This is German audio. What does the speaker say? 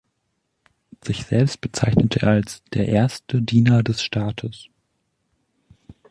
Sich selbst bezeichnete er als „der erste Diener des Staates“.